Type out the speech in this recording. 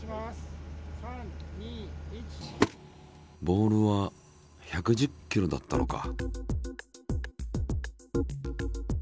ボールは１１０キロだったのか。